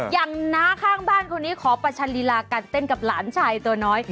น้าข้างบ้านคนนี้ขอประชันลีลาการเต้นกับหลานชายตัวน้อย